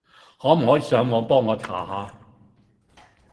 可唔可以上網幫我查下？